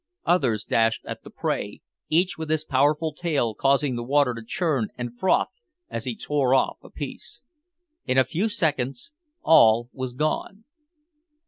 Others dashed at the prey, each with his powerful tail causing the water to churn and froth as he tore off a piece. In a few seconds all was gone.